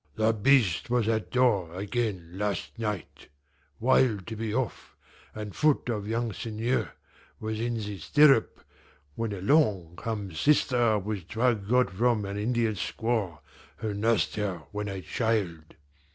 "The Beast was at door again last night, wild to be off, and foot of young Seigneur was in the stirrup, when along comes sister with drug got from an Indian squaw who nursed her when a child.